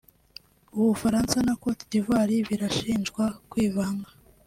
u Bufaransa na Côte d’Ivoire birashinjwa kwivanga